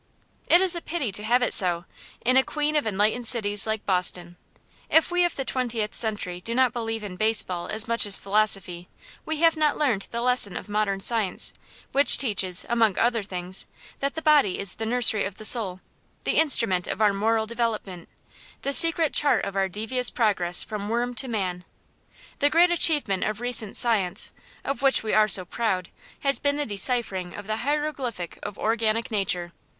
It is a pity to have it so, in a queen of enlightened cities like Boston. If we of the twentieth century do not believe in baseball as much as in philosophy, we have not learned the lesson of modern science, which teaches, among other things, that the body is the nursery of the soul; the instrument of our moral development; the secret chart of our devious progress from worm to man. The great achievement of recent science, of which we are so proud, has been the deciphering of the hieroglyphic of organic nature.